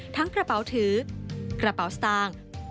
กระเป๋าถือกระเป๋าสตางค์